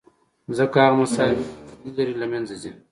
ځکه هغه مسایل نور وجود نه لري، له منځه ځي.